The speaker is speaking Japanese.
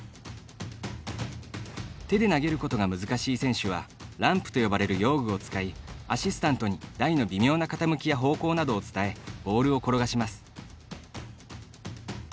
手で投げることが難しい選手はランプと呼ばれる用具を使いアシスタントに、台の微妙な傾きや方向などを伝えボールを転がします。